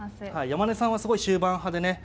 山根さんはすごい終盤派でね